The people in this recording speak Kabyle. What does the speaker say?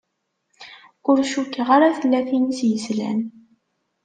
Ur cukkeɣ ara tella tin i s-yeslan.